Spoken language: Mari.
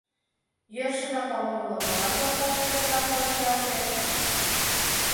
Йӧршынак ом умыло, молан йолташыже-влаклан чиялтен?